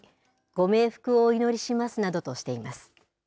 ご冥福をお祈りしますなどとしています。